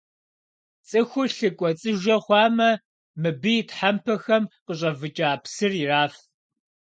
Цӏыхур лъы кӏуэцӏыжэ хъуамэ, мыбы и тхьэмпэхэм къыщӏэвыкӏа псыр ираф.